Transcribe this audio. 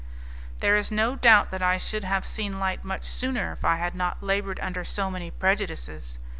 "There is no doubt that I should have seen light much sooner if I had not laboured under so many prejudices.